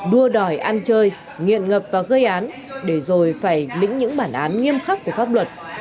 đua đòi ăn chơi nghiện ngập và gây án để rồi phải lĩnh những bản án nghiêm khắc của pháp luật